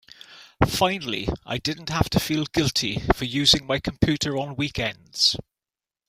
Finally I didn't have to feel guilty for using my computer on weekends.